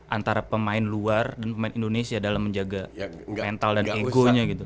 antara pemain luar dan pemain indonesia dalam menjaga mental dan egonya gitu